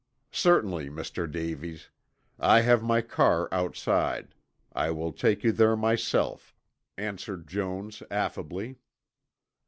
"Certainly, Mr. Davies. I have my car outside. I will take you there myself," answered Jones affably.